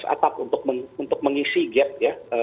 atap untuk mengisi gap ya